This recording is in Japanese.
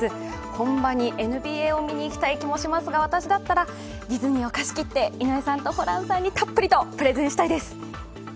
本場にＮＢＡを見に行きたい気もしますが、私だったらディズニーを貸し切って井上さんとホランさんにたっぷりとプレゼンしたいです。